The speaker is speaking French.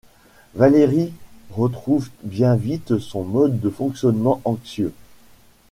Valérie retrouve bien vite son mode de fonctionnement anxieux.